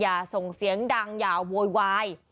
อย่าส่งเสียงดังอย่าโวยวาย